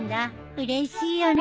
うれしいよね。